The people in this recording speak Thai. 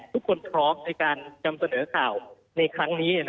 พร้อมในการนำเสนอข่าวในครั้งนี้